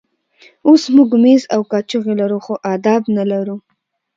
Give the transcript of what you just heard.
اوس موږ مېز او کاچوغې لرو خو آداب نه لرو.